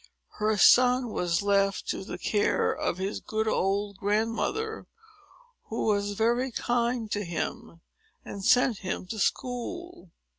Her son was left to the care of his good old grandmother, who was very kind to him, and sent him to school.